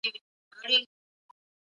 په سرمایه دارۍ کي یوازي ګټه لیدل کېږي.